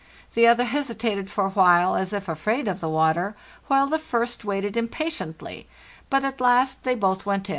The other hesitated for a while, as if afraid of the water, while the first waited impatiently; but at last they both went in.